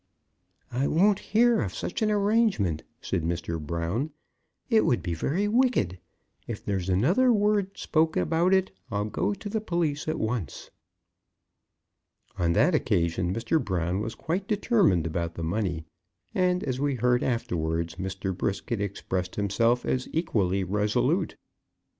"I won't hear of such an arrangement," said Mr. Brown. "It would be very wicked. If there's another word spoke about it, I'll go to the police at once!" On that occasion Mr. Brown was quite determined about the money; and, as we heard afterwards, Mr. Brisket expressed himself as equally resolute.